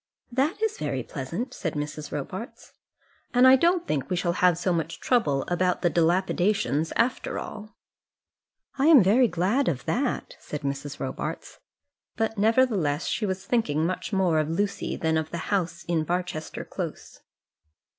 "That is very pleasant," said Mrs. Robarts. "And I don't think we shall have so much trouble about the dilapidations after all." "I am very glad of that," said Mrs. Robarts. But nevertheless she was thinking much more of Lucy than of the house in Barchester Close.